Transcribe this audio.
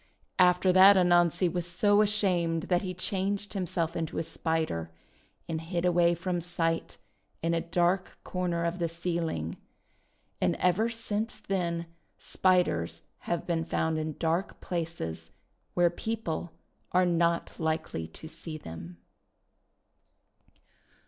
After that Anansi was so ashamed that he changed himself into a Spider, and hid away from sight in a dark corner of the ceiling. And ever since then Spiders have been found in dark places, where people are not likely to see them.